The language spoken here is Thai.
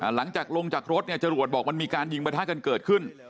หลังจากลงจากรถเนี่ยจรวดบอกมันมีการยิงประทะกันเกิดขึ้น